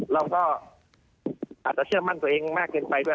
เราก็อาจจะเชื่อมั่นตัวเองมากเกินไปด้วย